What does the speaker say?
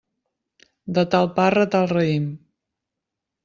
De tal parra, tal raïm.